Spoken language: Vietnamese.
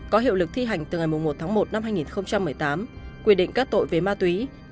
có hiệu lực thi hành từ ngày một tháng một năm hai nghìn một mươi tám quy định các tội về ma túy